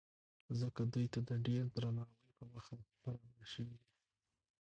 ځکه دوی ته د ډېر درناوۍ په موخه برابر شوي دي.